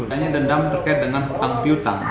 tandanya dendam terkait dengan utang piutang